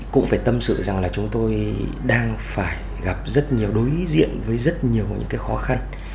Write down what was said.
cũng phải tâm sự rằng là chúng tôi đang phải gặp rất nhiều đối diện với rất nhiều những cái khó khăn